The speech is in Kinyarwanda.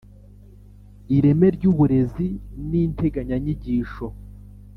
Ireme ry Uburezi n Integanyanyigisho